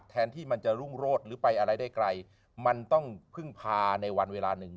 แทนที่มันจะรุ่งโรดหรือไปอะไรได้ไกลมันต้องพึ่งพาในวันเวลาหนึ่ง